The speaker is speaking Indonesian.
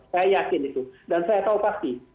saya yakin itu dan saya tahu pasti